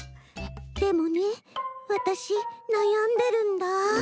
でもねわたしなやんでるんだ。